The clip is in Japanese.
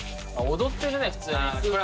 ・踊ってるね普通に・